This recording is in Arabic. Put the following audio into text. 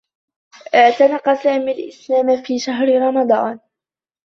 اعتنق سامي الإسلام في شهر رمضان.